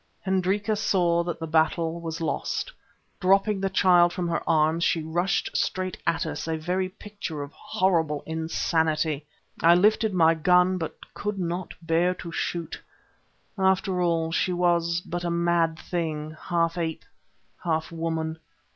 Hendrika saw that the battle was lost. Dropping the child from her arms, she rushed straight at us, a very picture of horrible insanity. I lifted my gun, but could not bear to shoot. After all she was but a mad thing, half ape, half woman.